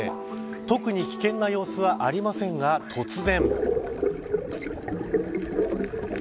特に危険な様子はありませんが突然。